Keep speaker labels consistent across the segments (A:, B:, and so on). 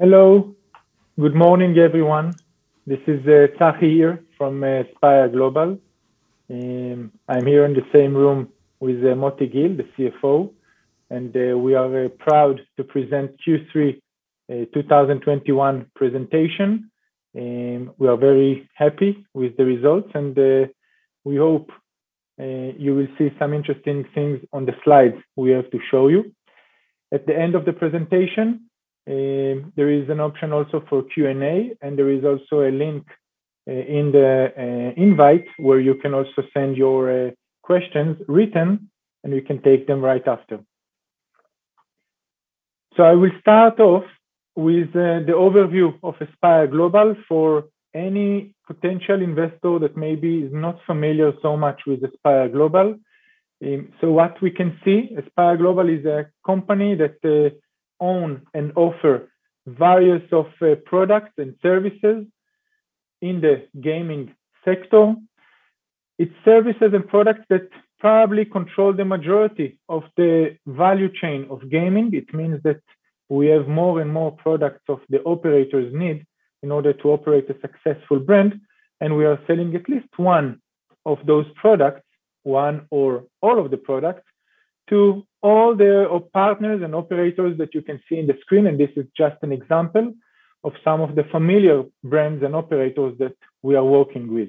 A: Hello. Good morning, everyone. This is Tsachi here from Aspire Global. I'm here in the same room with Motti Gil, the CFO, and we are very proud to present Q3 2021 presentation. We are very happy with the results, and we hope you will see some interesting things on the slides we have to show you. At the end of the presentation, there is an option also for Q&A, and there is also a link in the invite where you can also send your questions written, and we can take them right after. I will start off with the overview of Aspire Global for any potential investor that may be not familiar so much with Aspire Global. What we can see, Aspire Global is a company that own and offer various of products and services in the gaming sector. It services the products that probably control the majority of the value chain of gaming. It means that we have more and more products of the operator's need in order to operate a successful brand, and we are selling at least one of those products, one or all of the products, to all the partners and operators that you can see on the screen, and this is just an example of some of the familiar brands and operators that we are working with.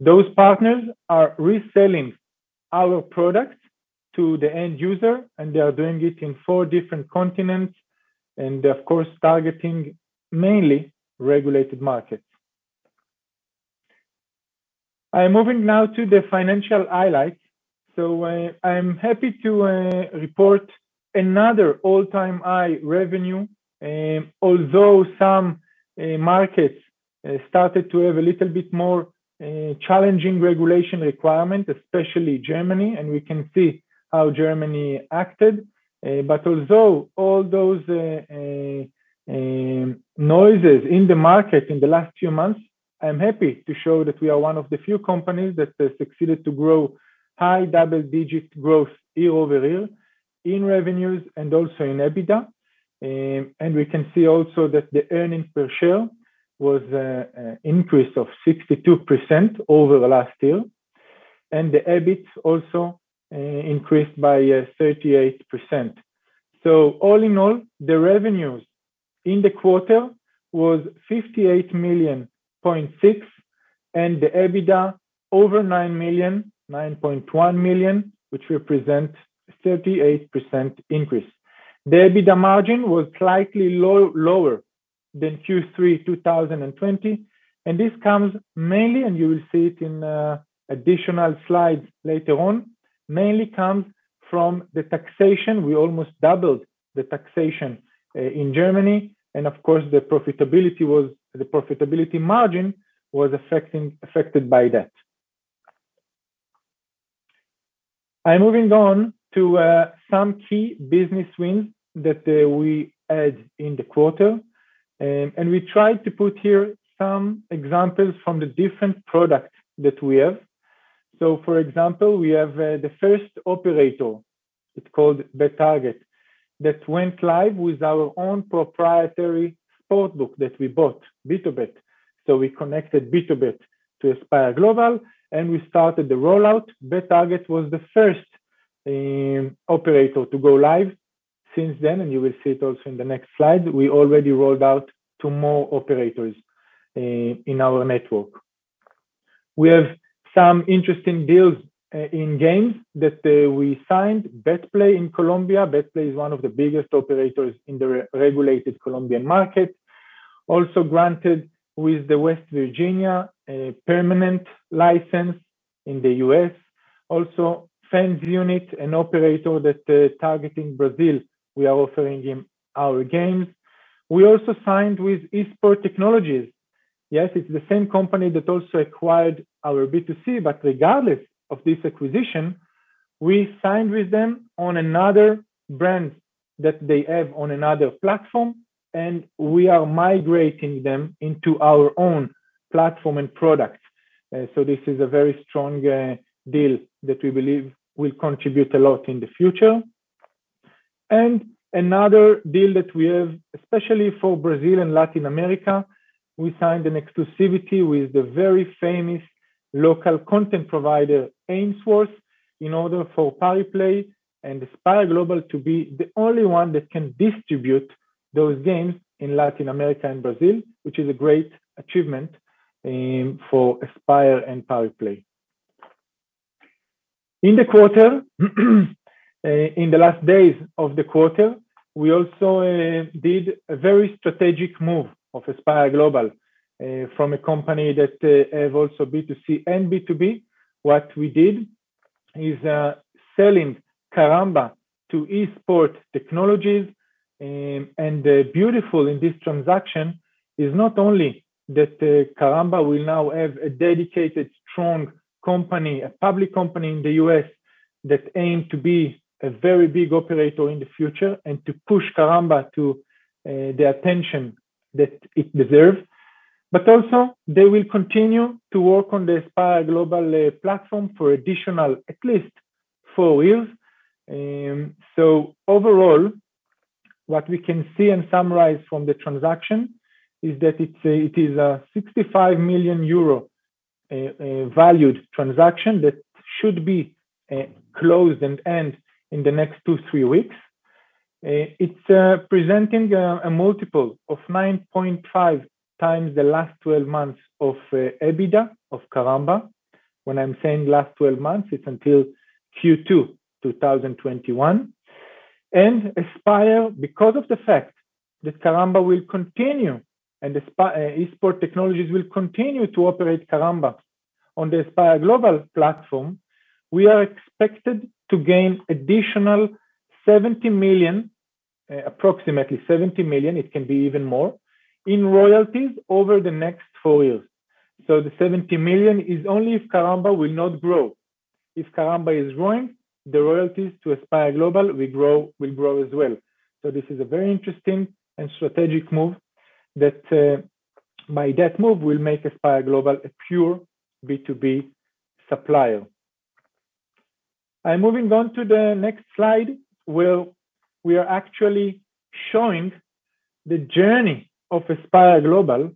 A: Those partners are reselling our products to the end user, and they are doing it in four different continents and, of course, targeting mainly regulated markets. I am moving now to the financial highlights. I'm happy to report another all-time high revenue. Although some markets started to have a little bit more challenging regulation requirement, especially Germany, and we can see how Germany acted. Although all those noises in the market in the last few months, I'm happy to show that we are one of the few companies that has succeeded to grow high double-digit growth year-over-year in revenues and also in EBITDA, and we can see also that the earnings per share was an increase of 62% over last year, and the EBIT also increased by 38%. All in all, the revenues in the quarter was 58.6 million, and the EBITDA over 9 million, 9.1 million, which represent 38% increase. The EBITDA margin was slightly lower than Q3 2020, and this comes mainly, and you will see it in additional slides later on, mainly from the taxation. We almost doubled the taxation in Germany, and of course, the profitability margin was affected by that. I'm moving on to some key business wins that we had in the quarter. We tried to put here some examples from the different products that we have. For example, we have the first operator, it's called Bettarget, that went live with our own proprietary sportsbook that we bought, BtoBet. We connected BtoBet to Aspire Global, and we started the rollout. Bettarget was the first operator to go live. Since then, you will see it also in the next slide, we already rolled out to more operators in our network. We have some interesting deals in games that we signed. BetPlay in Colombia. BetPlay is one of the biggest operators in the re-regulated Colombian market. Also granted with the West Virginia a permanent license in the U.S. Also, FansUnite, an operator that targeting Brazil, we are offering him our games. We also signed with Esports Technologies. Yes, it's the same company that also acquired our B2C, but regardless of this acquisition, we signed with them on another brand that they have on another platform, and we are migrating them into our own platform and products. This is a very strong deal that we believe will contribute a lot in the future. Another deal that we have, especially for Brazil and Latin America, we signed an exclusivity with the very famous local content provider, Ainsworth, in order for Pariplay and Aspire Global to be the only one that can distribute those games in Latin America and Brazil, which is a great achievement for Aspire and Pariplay. In the quarter, in the last days of the quarter, we also did a very strategic move of Aspire Global, from a company that have also B2C and B2B. What we did is selling Karamba to Esports Technologies. The beauty in this transaction is not only that Karamba will now have a dedicated strong company, a public company in the U.S. that aims to be a very big operator in the future and to push Karamba to the attention that it deserves. Also they will continue to work on the Aspire Global platform for additional at least 4 years. Overall, what we can see and summarize from the transaction is that it is a 65 million euro valued transaction that should be closed and end in the next 2-3 weeks. It is presenting a multiple of 9.5x the last 12 months of EBITDA of Karamba. When I'm saying last 12 months, it is until Q2 2021. Aspire, because of the fact that Karamba will continue and Esports Technologies will continue to operate Karamba on the Aspire Global platform, we are expected to gain additional 70 million, approximately 70 million, it can be even more, in royalties over the next four years. The 70 million is only if Karamba will not grow. If Karamba is growing, the royalties to Aspire Global will grow as well. This is a very interesting and strategic move that by that move will make Aspire Global a pure B2B supplier. I'm moving on to the next slide where we are actually showing the journey of Aspire Global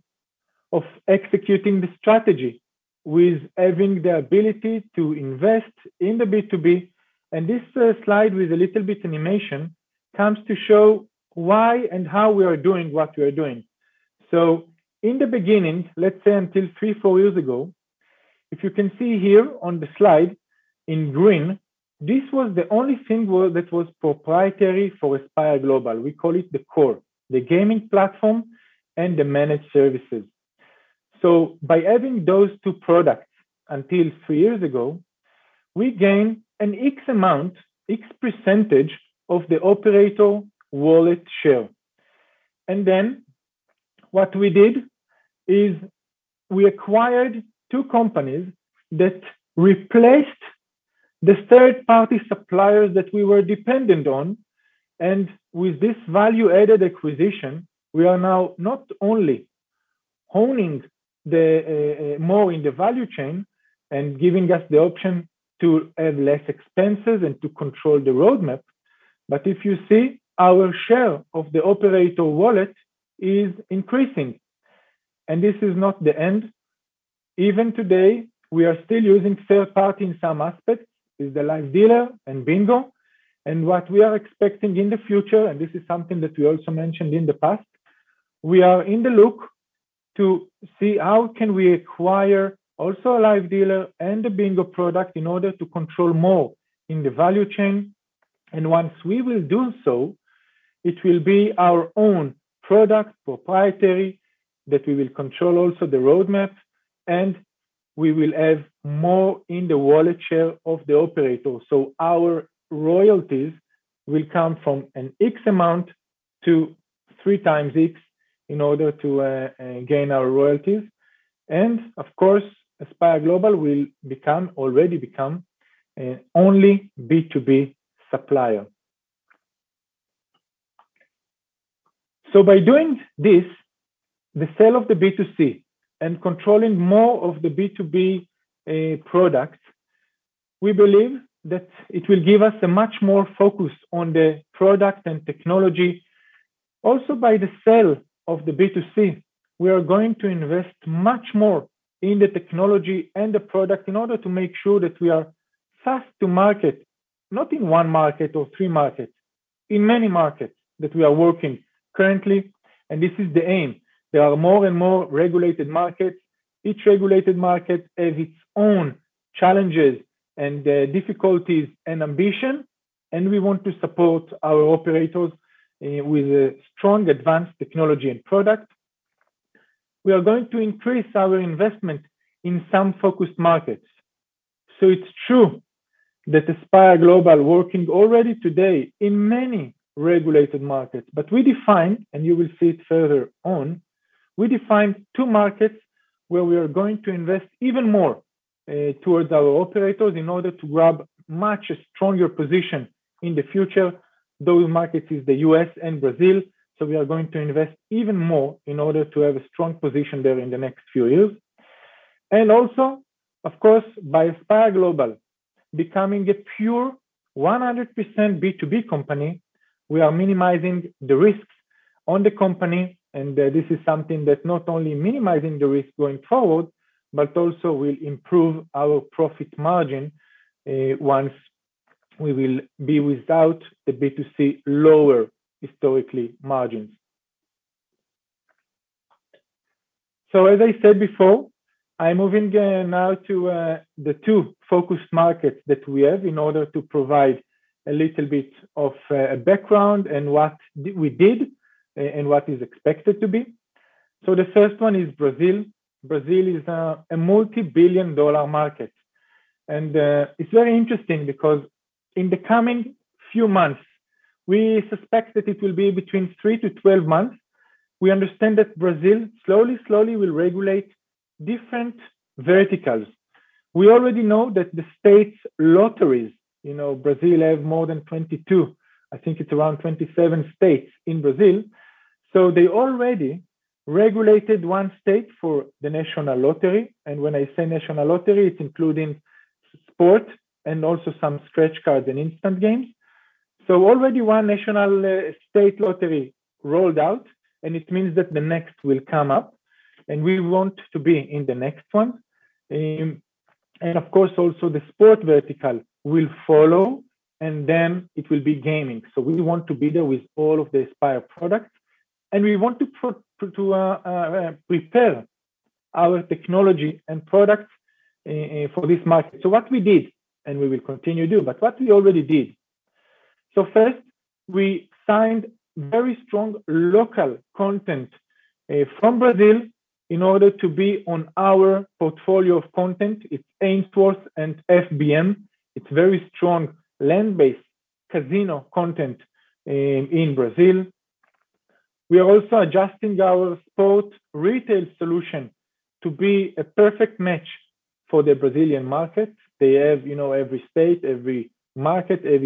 A: of executing the strategy with having the ability to invest in the B2B. This slide with a little bit animation comes to show why and how we are doing what we are doing. In the beginning, let's say until 3-4 years ago, if you can see here on the slide in green, this was the only thing that was proprietary for Aspire Global. We call it the core, the gaming platform and the managed services. By having those two products until 3 years ago, we gain an X amount, X percentage of the operator wallet share. Then what we did is we acquired two companies that replaced the third-party suppliers that we were dependent on. With this value-added acquisition, we are now not only owning more in the value chain and giving us the option to have less expenses and to control the roadmap, but if you see, our share of the operator wallet is increasing, and this is not the end. Even today, we are still using third party in some aspects, is the live dealer and bingo. What we are expecting in the future, and this is something that we also mentioned in the past, we are on the lookout to see how can we acquire also a live dealer and a bingo product in order to control more in the value chain. Once we will do so, it will be our own product, proprietary, that we will control also the roadmap, and we will have more in the wallet share of the operator. Our royalties will come from an X amount to three times X in order to gain our royalties. Of course, Aspire Global will become, already become a solely B2B supplier. By doing this, the sale of the B2C and controlling more of the B2B product, we believe that it will give us a much more focus on the product and technology. Also, by the sale of the B2C, we are going to invest much more in the technology and the product in order to make sure that we are fast to market, not in one market or three markets, in many markets that we are working currently. This is the aim. There are more and more regulated markets. Each regulated market has its own challenges and difficulties and ambition, and we want to support our operators with a strong advanced technology and product. We are going to increase our investment in some focused markets. It's true that Aspire Global working already today in many regulated markets. We define, and you will see it further on, two markets where we are going to invest even more towards our operators in order to grab much stronger position in the future. Those markets is the U.S. and Brazil, so we are going to invest even more in order to have a strong position there in the next few years. Also, of course, by Aspire Global becoming a pure 100% B2B company, we are minimizing the risks on the company. This is something that not only minimizing the risk going forward, but also will improve our profit margin once we will be without the B2C lower historically margins. As I said before, I'm moving now to the two focused markets that we have in order to provide a little bit of a background and what we did and what is expected to be. The first one is Brazil. Brazil is a multi-billion dollar market. It's very interesting because in the coming few months, we suspect that it will be between 3-12 months, we understand that Brazil slowly will regulate different verticals. We already know that the state lotteries, you know, Brazil have more than 22, I think it's around 27 states in Brazil. They already regulated one state for the national lottery, and when I say national lottery, it's including sport and also some scratch cards and instant games. Already one national state lottery rolled out, and it means that the next will come up, and we want to be in the next one. Of course, also the sports vertical will follow, and then it will be gaming. We want to be there with all of the Aspire products. We want to prepare our technology and products for this market. What we did, and we will continue to do, but what we already did. First, we signed very strong local content from Brazil in order to be on our portfolio of content. It's Ainsworth and FBM. It's very strong land-based casino content in Brazil. We are also adjusting our sports retail solution to be a perfect match for the Brazilian market. They have, you know, every state, every market have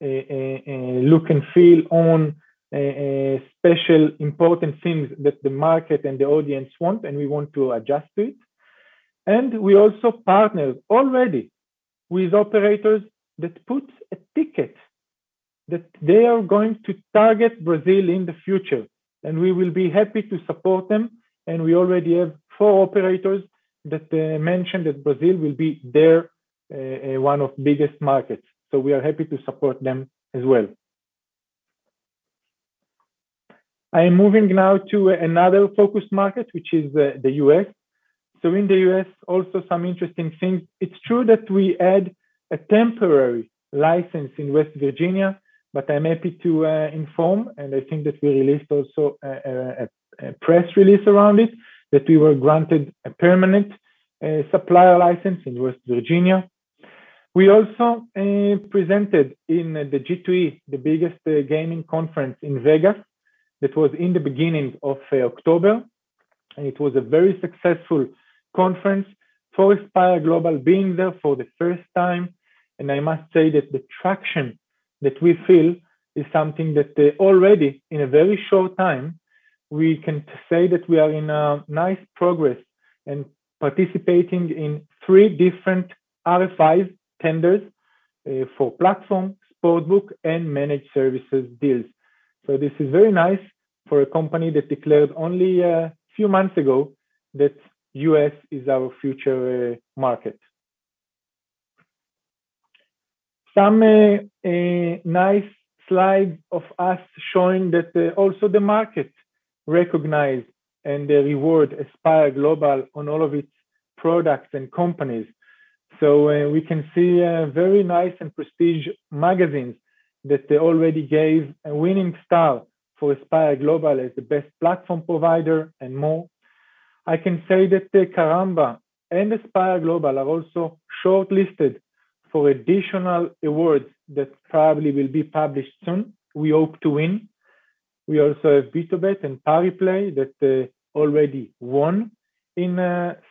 A: its own look and feel, own special important things that the market and the audience want, and we want to adjust to it. We also partnered already with operators that put a ticket that they are going to target Brazil in the future, and we will be happy to support them, and we already have four operators that mentioned that Brazil will be their one of biggest markets. We are happy to support them as well. I am moving now to another focus market, which is the U.S. In the U.S., also some interesting things. It's true that we had a temporary license in West Virginia, but I'm happy to inform, and I think that we released also a press release around it, that we were granted a permanent supplier license in West Virginia. We also presented in the G2E, the biggest gaming conference in Vegas, that was in the beginning of October. It was a very successful conference for Aspire Global being there for the first time. I must say that the traction that we feel is something that already in a very short time, we can say that we are in a nice progress and participating in three different RFI tenders for platform, sportsbook, and managed services deals. This is very nice for a company that declared only a few months ago that U.S. is our future market. Some nice slides of us showing that also the market recognize and reward Aspire Global on all of its products and companies. We can see very nice and prestigious magazines that they already gave a winning star for Aspire Global as the best platform provider and more. I can say that Karamba and Aspire Global are also shortlisted for additional awards that probably will be published soon. We hope to win. We also have BtoBet and Pariplay that already won in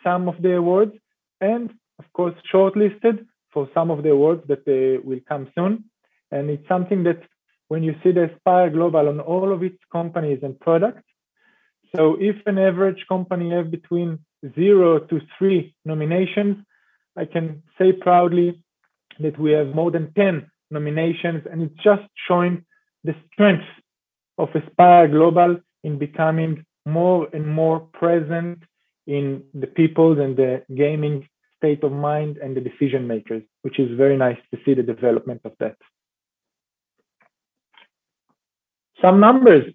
A: some of the awards, and of course, shortlisted for some of the awards that will come soon. It's something that when you see the Aspire Global on all of its companies and products. If an average company have between 0-3 nominations, I can say proudly that we have more than 10 nominations, and it's just showing the strength of Aspire Global in becoming more and more present in the people and the gaming state of mind and the decision makers, which is very nice to see the development of that. Some numbers.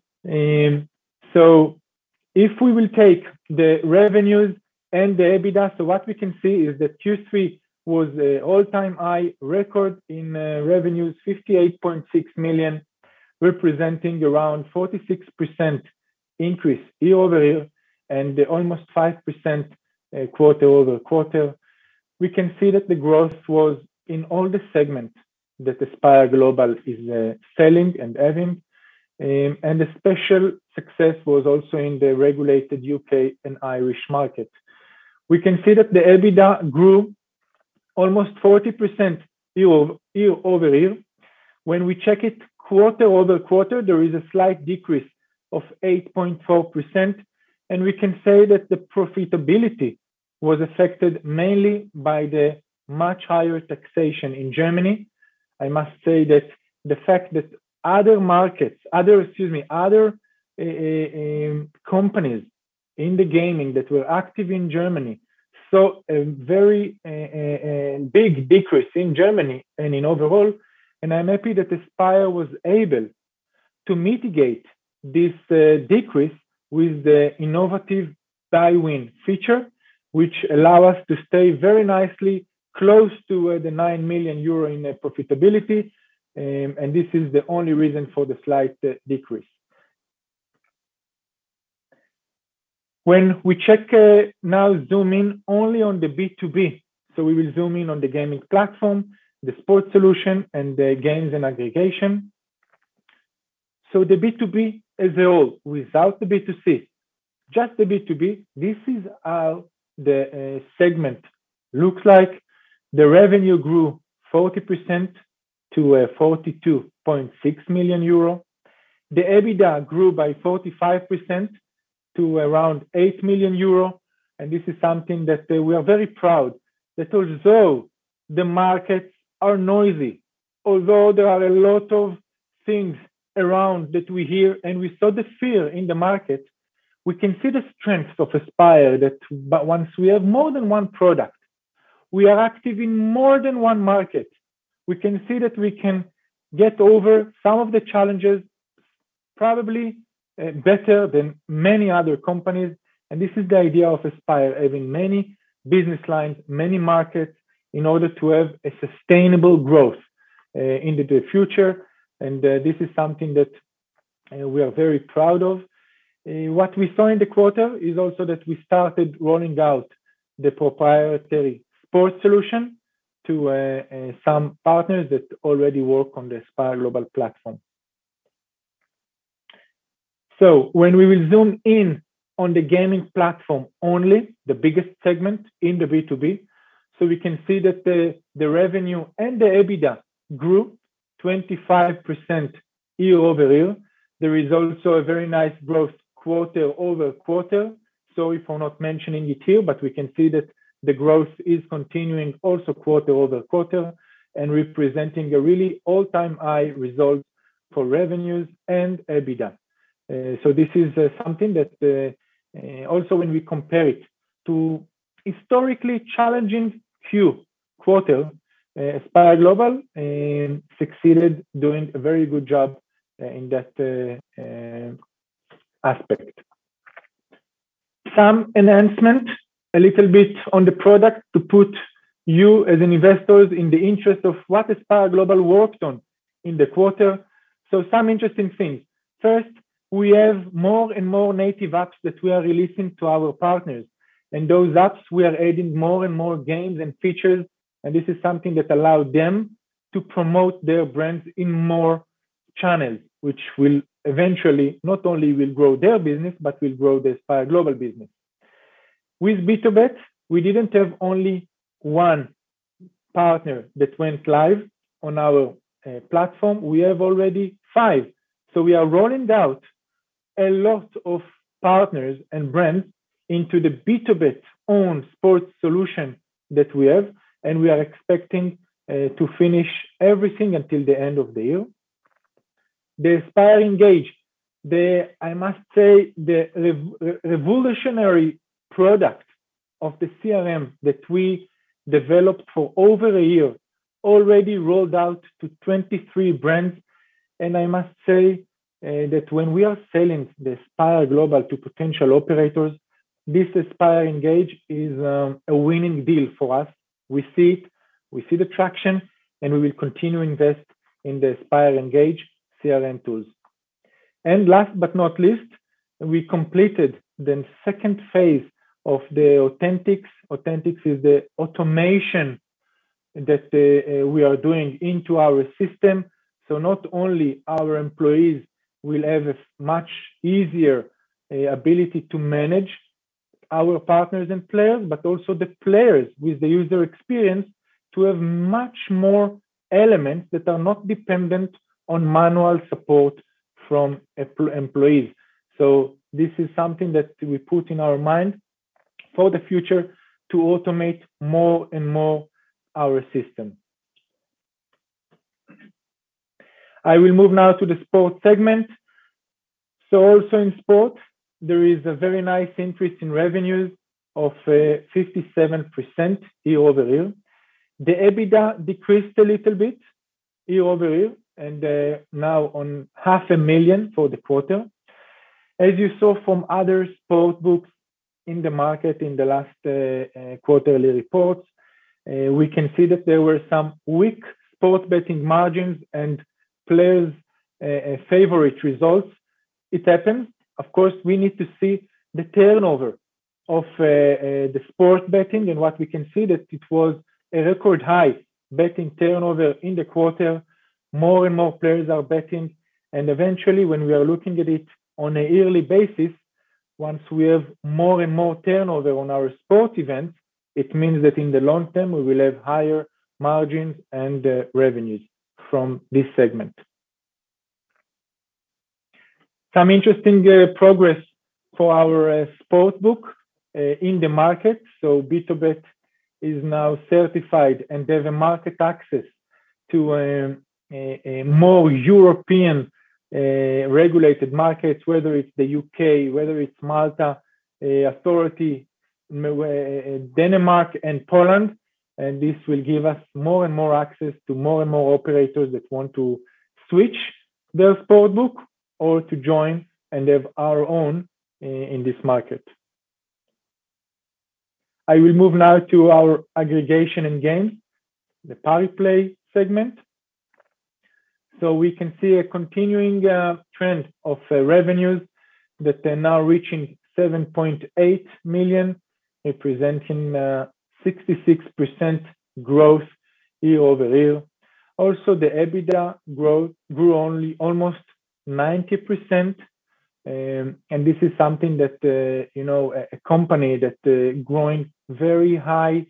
A: If we will take the revenues and the EBITDA, what we can see is that Q3 was all-time high record in revenues, 58.6 million, representing around 46% increase year-over-year, and almost 5% quarter-over-quarter. We can see that the growth was in all the segments that Aspire Global is selling and having. The special success was also in the regulated U.K. and Irish market. We can see that the EBITDA grew almost 40% year-over-year. When we check it quarter-over-quarter, there is a slight decrease of 8.4%, and we can say that the profitability was affected mainly by the much higher taxation in Germany. I must say that the fact that other markets, other companies in the gaming that were active in Germany saw a very big decrease in Germany and overall, and I'm happy that Aspire was able to mitigate this decrease with the innovative BuyWin feature, which allow us to stay very nicely close to the 9 million euro in profitability, and this is the only reason for the slight decrease. When we check now zoom in only on the B2B. We will zoom in on the gaming platform, the sports solution, and the games and aggregation. The B2B as a whole, without the B2C, just the B2B, this is how the segment looks like. The revenue grew 40% to 42.6 million euro. The EBITDA grew by 45% to around 8 million euro, and this is something that we are very proud that although the markets are noisy, although there are a lot of things around that we hear and we saw the fear in the market, we can see the strength of Aspire that once we have more than one product, we are active in more than one market. We can see that we can get over some of the challenges probably better than many other companies, and this is the idea of Aspire, having many business lines, many markets, in order to have a sustainable growth into the future. This is something that we are very proud of. What we saw in the quarter is also that we started rolling out the proprietary sports solution to some partners that already work on the Aspire Global platform. When we will zoom in on the gaming platform, only the biggest segment in the B2B, we can see that the revenue and the EBITDA grew 25% year-over-year. There is also a very nice quarter-over-quarter growth, so if we're not mentioning it here, but we can see that the growth is continuing also quarter-over-quarter and representing a really all-time high result for revenues and EBITDA. This is something that also when we compare it to historically challenging few quarters, Aspire Global succeeded doing a very good job in that aspect. Some enhancement, a little bit on the product to put you as investors in the interest of what Aspire Global worked on in the quarter. Some interesting things. First, we have more and more native apps that we are releasing to our partners, and those apps we are adding more and more games and features, and this is something that allow them to promote their brands in more channels, which will eventually not only will grow their business, but will grow the Aspire Global business. With BtoBet, we didn't have only one partner that went live on our platform. We have already 5. We are rolling out a lot of partners and brands into the BtoBet own sports solution that we have, and we are expecting to finish everything until the end of the year. The AspireEngage, I must say, the revolutionary product of the CRM that we developed for over a year already rolled out to 23 brands. I must say that when we are selling the Aspire Global to potential operators, this AspireEngage is a winning deal for us. We see it, we see the traction, and we will continue to invest in the AspireEngage CRM tools. Last but not least, we completed the second phase of the Authentics. Authentics is the automation that we are doing into our system, so not only our employees will have a much easier ability to manage our partners and players, but also the players with the user experience to have much more elements that are not dependent on manual support from employees. This is something that we put in our mind for the future to automate more and more our system. I will move now to the sports segment. Also in sport, there is a very nice increase in revenues of 57% year-over-year. The EBITDA decreased a little bit year-over-year and now at EUR half a million for the quarter. As you saw from other sports books in the market in the last quarterly reports, we can see that there were some weak sports betting margins and players' favorite results. It happens. Of course, we need to see the turnover of the sports betting, and what we can see that it was a record high betting turnover in the quarter. More and more players are betting, and eventually, when we are looking at it on a yearly basis, once we have more and more turnover on our sports events, it means that in the long term, we will have higher margins and revenues from this segment. Some interesting progress for our sports book in the market. BtoBet is now certified and have market access to a more European regulated markets, whether it's the UK, whether it's Malta authority, Denmark and Poland. This will give us more and more access to more and more operators that want to switch their sports book or to join and have our own in this market. I will move now to our aggregation and games, the Pariplay segment. We can see a continuing trend of revenues that they're now reaching 7.8 million, representing 66% growth year-over-year. Also, the EBITDA grew almost 90%. This is something that you know a company that's growing very high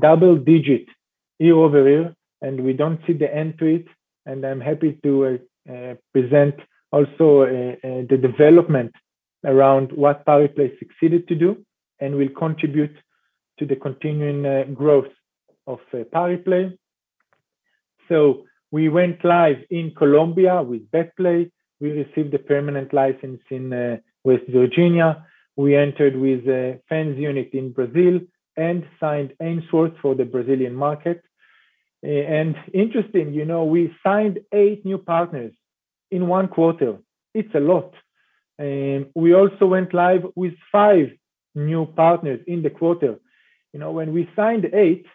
A: double digits year-over-year, and we don't see the end to it, and I'm happy to present also the development around what Pariplay succeeded to do and will contribute to the continuing growth of Pariplay. We went live in Colombia with BetPlay. We received a permanent license in West Virginia. We entered with a FansUnite in Brazil and signed Ainsworthe for the Brazilian market. Interesting, you know, we signed 8 new partners in 1 quarter. It's a lot. We also went live with 5 new partners in the quarter. When we signed 8,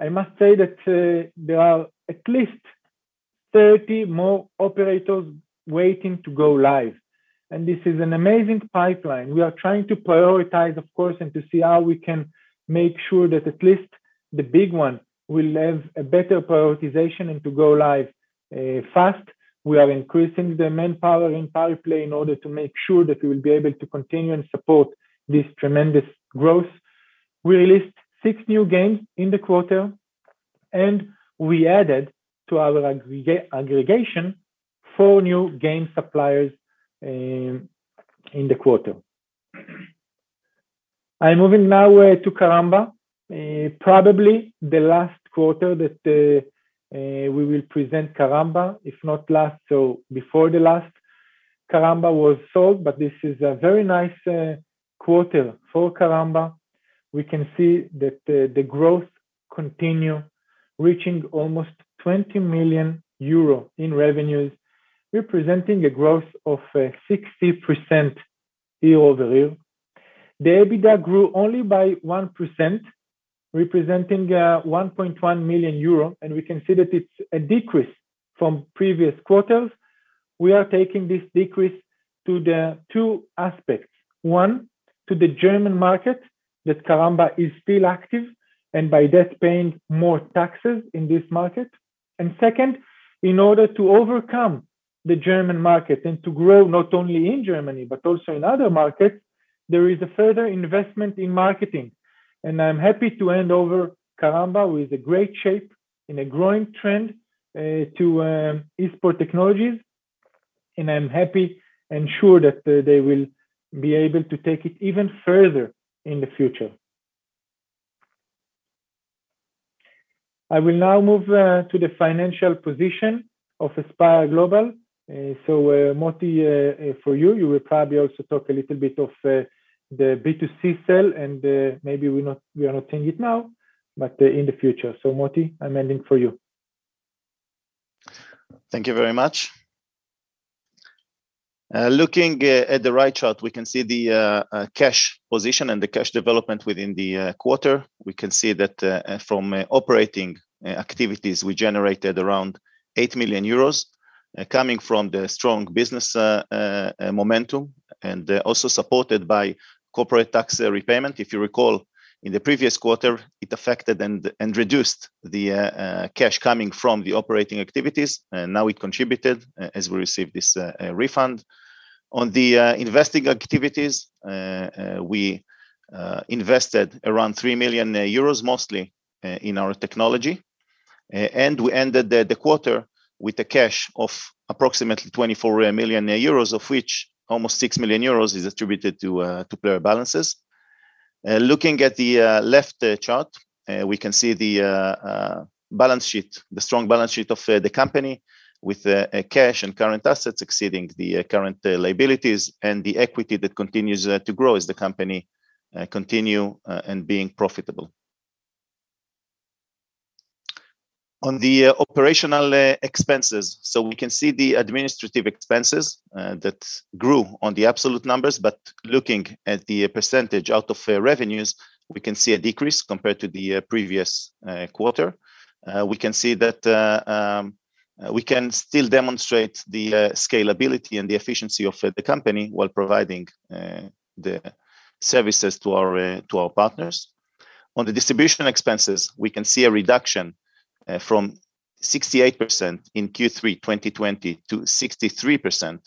A: I must say that there are at least 30 more operators waiting to go live. This is an amazing pipeline. We are trying to prioritize, of course, and to see how we can make sure that at least the big one will have a better prioritization and to go live fast. We are increasing the manpower in Pariplay in order to make sure that we will be able to continue and support this tremendous growth. We released 6 new games in the quarter, and we added to our aggregation 4 new game suppliers in the quarter. I'm moving now to Karamba, probably the last quarter that we will present Karamba, if not last or before the last. Karamba was sold, but this is a very nice quarter for Karamba. We can see that the growth continue, reaching almost 20 million euro in revenues, representing a growth of 60% year-over-year. The EBITDA grew only by 1%, representing 1.1 million euro, and we can see that it's a decrease from previous quarters. We are taking this decrease to the two aspects. One, to the German market, that Karamba is still active and by that paying more taxes in this market. Second, in order to overcome the German market and to grow not only in Germany but also in other markets, there is a further investment in marketing. I'm happy to hand over Karamba, who is in great shape, in a growing trend, to Esports Technologies, and I'm happy and sure that they will be able to take it even further in the future. I will now move to the financial position of Aspire Global. Moti, for you will probably also talk a little bit of the B2C sale, and maybe we are not seeing it now, but in the future. Motti, I'm handing for you.
B: Thank you very much. Looking at the right chart, we can see the cash position and the cash development within the quarter. We can see that from operating activities, we generated around 8 million euros coming from the strong business momentum and also supported by corporate tax repayment. If you recall, in the previous quarter, it affected and reduced the cash coming from the operating activities. Now it contributed as we received this refund. On the investing activities, we invested around 3 million euros mostly in our technology. We ended the quarter with a cash of approximately 24 million euros, of which almost 6 million euros is attributed to player balances. Looking at the left chart, we can see the balance sheet, the strong balance sheet of the company with cash and current assets exceeding the current liabilities and the equity that continues to grow as the company continue and being profitable. On the operational expenses. We can see the administrative expenses that grew on the absolute numbers. Looking at the percentage out of revenues, we can see a decrease compared to the previous quarter. We can see that we can still demonstrate the scalability and the efficiency of the company while providing the services to our partners. On the distribution expenses, we can see a reduction from 68% in Q3 2020 to 63%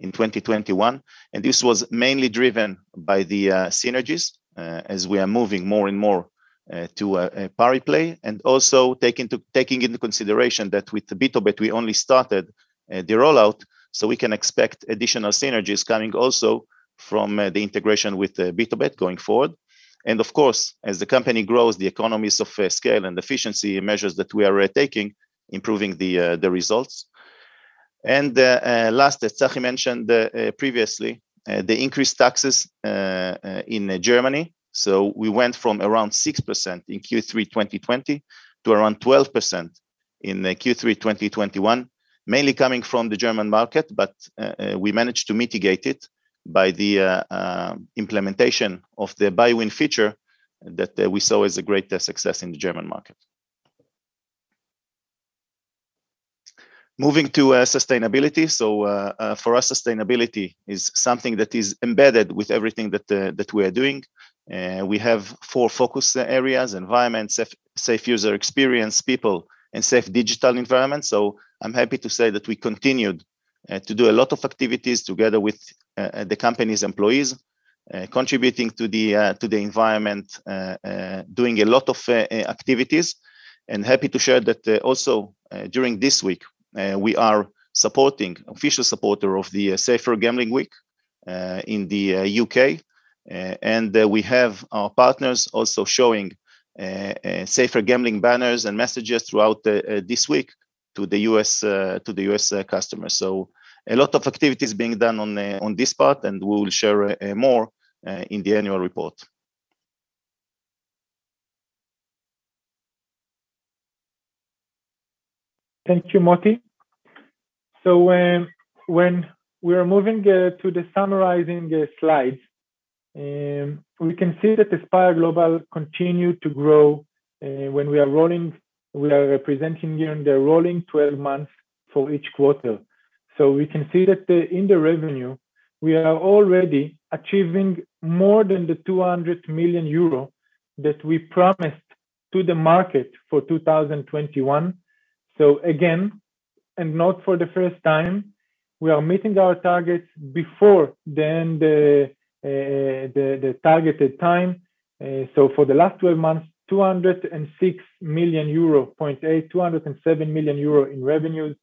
B: in 2021, and this was mainly driven by the synergies as we are moving more and more to Pariplay. Also taking into consideration that with the BtoBet, we only started the rollout, so we can expect additional synergies coming also from the integration with the BtoBet going forward. Of course, as the company grows, the economies of scale and efficiency measures that we are taking, improving the results. Last, as Tsachi mentioned previously, the increased taxes in Germany. We went from around 6% in Q3 2020 to around 12% in Q3 2021, mainly coming from the German market, but we managed to mitigate it by the implementation of the BuyWin feature that we saw as a great success in the German market. Moving to sustainability. For us, sustainability is something that is embedded with everything that we are doing. We have four focus areas environment, safe user experience, people and safe digital environment. I'm happy to say that we continued to do a lot of activities together with the company's employees contributing to the environment, doing a lot of activities, and happy to share that also during this week we are an official supporter of the Safer Gambling Week in the U.K. We have our partners also showing safer gambling banners and messages throughout this week to the U.S. customers. A lot of activities being done on this part, and we will share more in the annual report.
A: Thank you, Motti. When we are moving to the summarizing slide, we can see that Aspire Global continued to grow. When we are rolling, we are representing here in the rolling twelve months for each quarter. We can see that in the revenue, we are already achieving more than the 200 million euro that we promised to the market for 2021. Again, and not for the first time, we are meeting our targets before the targeted time. For the last twelve months, 206.8 million euro, 207 million euro in revenues.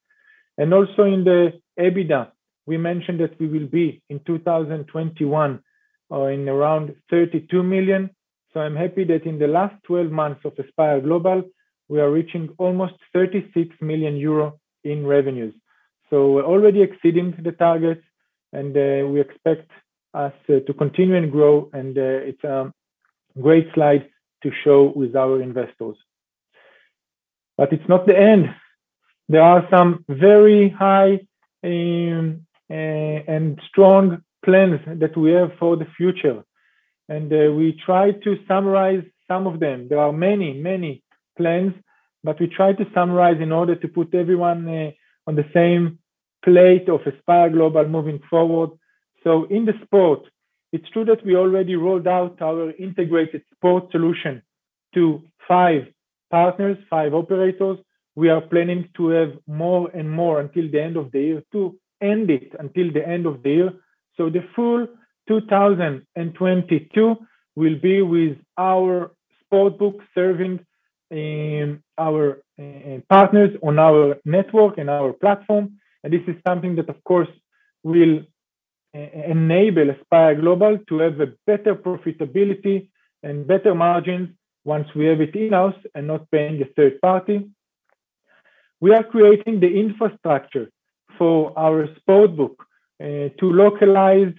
A: Also in the EBITDA, we mentioned that we will be in 2021, or in around 32 million. I'm happy that in the last 12 months of Aspire Global, we are reaching almost 36 million euro in revenues. We're already exceeding the targets, and we expect us to continue and grow. It's a great slide to show with our investors. It's not the end. There are some very high and strong plans that we have for the future, and we try to summarize some of them. There are many, many plans, but we try to summarize in order to put everyone on the same page of Aspire Global moving forward. In the sport, it's true that we already rolled out our integrated sport solution to five partners, five operators. We are planning to have more and more until the end of the year. The full 2022 will be with our sportsbook serving our partners on our network and our platform. This is something that of course will enable Aspire Global to have a better profitability and better margins once we have it in-house and not paying a third party. We are creating the infrastructure for our sportsbook to localize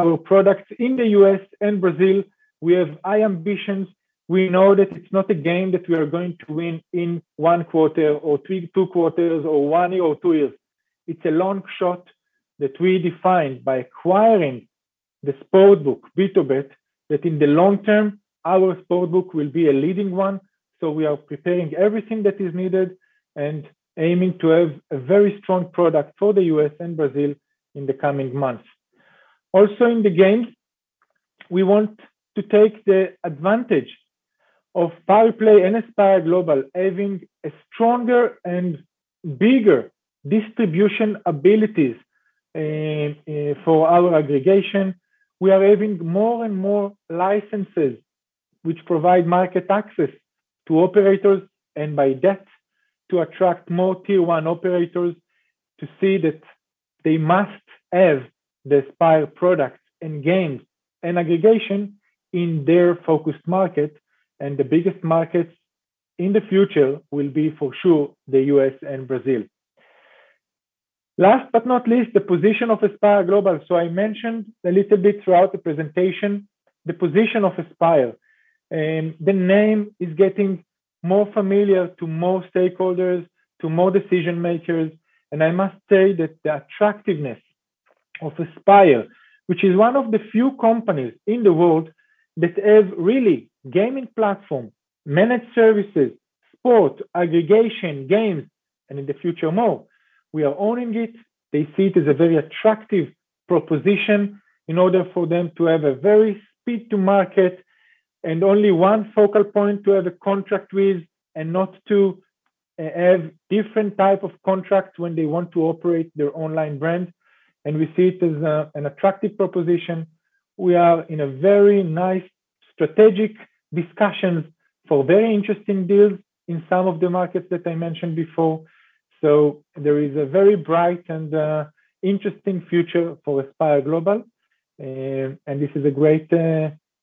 A: our products in the U.S. and Brazil. We have high ambitions. We know that it's not a game that we are going to win in one quarter or two quarters, or one year or two years. It's a long shot that we define by acquiring the sportsbook bit of it, that in the long term our sportsbook will be a leading one. We are preparing everything that is needed and aiming to have a very strong product for the U.S. and Brazil in the coming months. Also, in the games, we want to take the advantage of Pariplay and Aspire Global having a stronger and bigger distribution abilities for our aggregation. We are having more and more licenses which provide market access to operators, and by that, to attract more tier one operators to see that they must have the Aspire products and games and aggregation in their focused market. The biggest markets in the future will be for sure, the U.S. and Brazil. Last but not least, the position of Aspire Global. I mentioned a little bit throughout the presentation the position of Aspire, the name is getting more familiar to most stakeholders, to more decision makers. I must say that the attractiveness of Aspire, which is one of the few companies in the world that have really gaming platform, managed services, sport, aggregation, games, and in the future more. We are owning it. They see it as a very attractive proposition in order for them to have a very speed to market and only one focal point to have a contract with and not to have different type of contracts when they want to operate their online brand. We see it as an attractive proposition. We are in a very nice strategic discussions for very interesting deals in some of the markets that I mentioned before. There is a very bright and interesting future for Aspire Global, and this is a great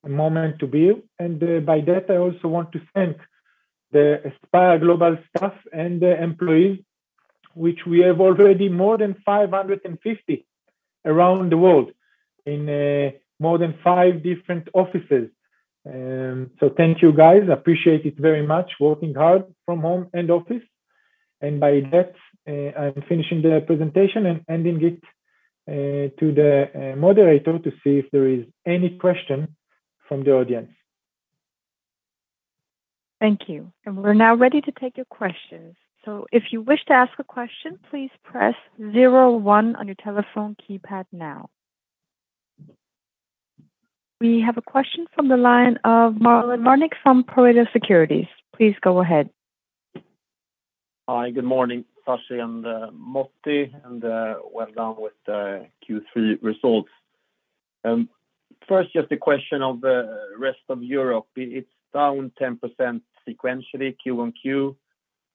A: moment to build. By that I also want to thank the Aspire Global staff and the employees, which we have already more than 550 around the world in more than five different offices. Thank you guys. Appreciate it very much. Working hard from home and office. By that, I'm finishing the presentation and ending it to the moderator to see if there is any question from the audience.
C: Thank you. We're now ready to take your questions. If you wish to ask a question, please press zero one on your telephone keypad now. We have a question from the line of Marlon Värnik from Pareto Securities. Please go ahead.
D: Hi, good morning, Tsachi and Motti, and well done with the Q3 results. First, just a question on the rest of Europe. It's down 10% sequentially, quarter-on-quarter.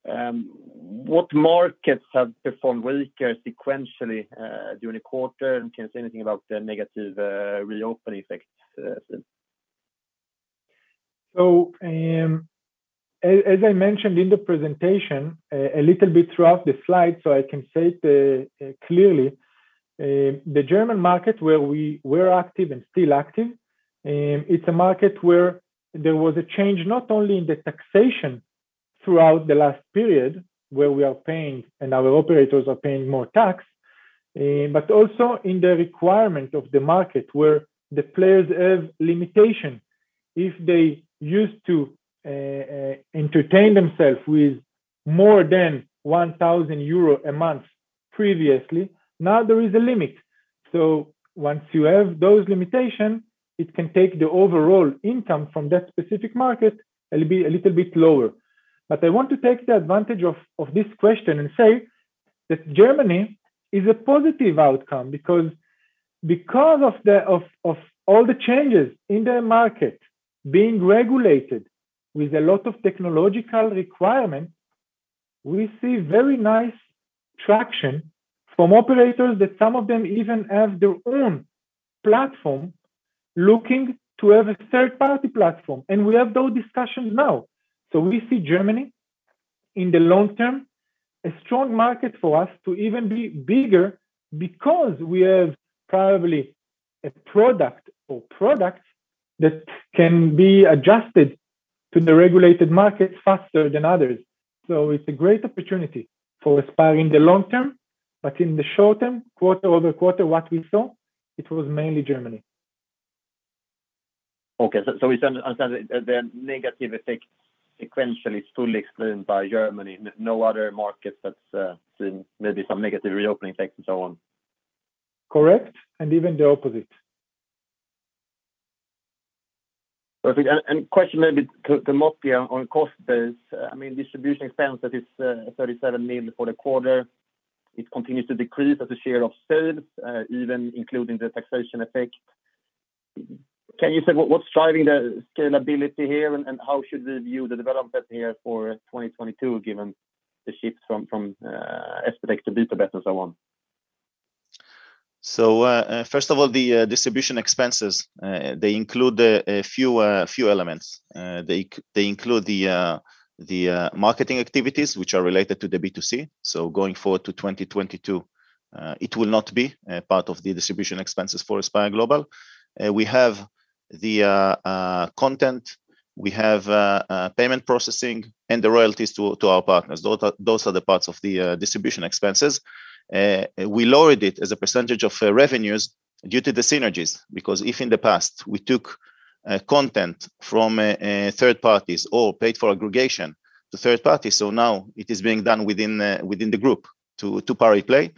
D: What markets have performed weaker sequentially during the quarter? Can you say anything about the negative reopen effect?
A: As I mentioned in the presentation a little bit throughout the slides, I can say it clearly. The German market where we were active and still active, it's a market where there was a change not only in the taxation throughout the last period, where we are paying and our operators are paying more tax, but also in the requirement of the market where the players have limitation. If they used to entertain themselves with more than 1,000 euro a month previously, now there is a limit. Once you have those limitations, it can take the overall income from that specific market a little bit lower. I want to take the advantage of this question and say that Germany is a positive outcome because of all the changes in the market being regulated with a lot of technological requirements. We see very nice traction from operators that some of them even have their own platform looking to have a third-party platform. We have those discussions now. We see Germany, in the long term, a strong market for us to even be bigger because we have probably a product or products that can be adjusted to the regulated market faster than others. It's a great opportunity for Aspire in the long term. In the short term, quarter-over-quarter, what we saw, it was mainly Germany.
D: It's under the negative effect sequentially is fully explained by Germany. No other markets that's seen maybe some negative reopening effects and so on.
A: Correct, and even the opposite.
D: Perfect. Question maybe to Motti on cost base. I mean, distribution expense, that is, 37 million for the quarter. It continues to decrease as a share of sales, even including the taxation effect. Can you say what's driving the scalability here, and how should we view the development here for 2022, given the shift from SBTech to BtoBet and so on?
B: First of all, the distribution expenses, they include a few elements. They include the marketing activities which are related to the B2C. Going forward to 2022, it will not be a part of the distribution expenses for Aspire Global. We have the content, we have payment processing and the royalties to our partners. Those are the parts of the distribution expenses. We lowered it as a percentage of revenues due to the synergies, because if in the past we took content from third parties or paid for aggregation to third parties, so now it is being done within the group to Pariplay.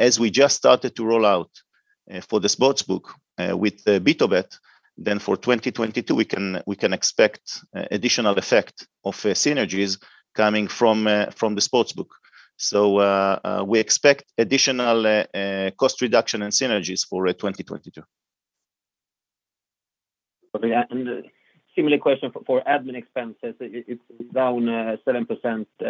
B: As we just started to roll out for the sportsbook with BtoBet, then for 2022, we can expect additional effect of synergies coming from the sportsbook. We expect additional cost reduction and synergies for 2022.
D: Okay. Similar question for admin expenses. It's down 7% Q1